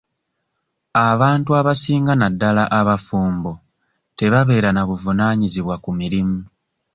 Abantu abasinga naddala abafumbo tebabeera na buvunaanyizibwa ku mirimu.